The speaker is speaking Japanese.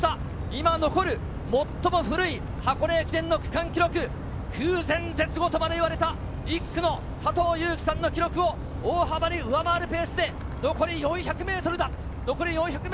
残る最も古い箱根駅伝の区間記録、空前絶後とまで言われた１区の佐藤悠基さんの記録を大幅に上回るペースで残り４００ｍだ。